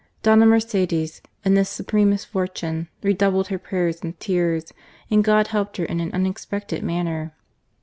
Dona Mercedes, in this supreme misfortune, redoubled her prayers and tears, and God helped her in an unexpected manner.